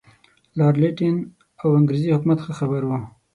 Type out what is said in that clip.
لارډ لیټن او انګریزي حکومت ښه خبر وو.